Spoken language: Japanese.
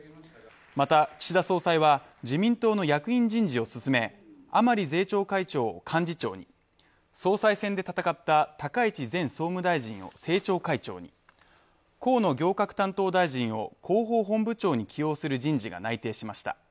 また岸田総裁は自民党の役員人事を進め、甘利税調会長を幹事長に、総裁選で戦った高市前総務大臣を政調会長に、河野行革担当大臣を広報本部長に起用する人事が内定しました。